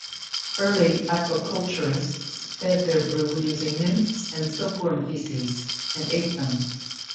Early aquaculturists fed their brood using nymphs and silkworm feces, and ate them.